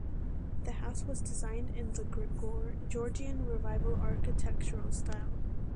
The house was designed in the Georgian Revival architectural style.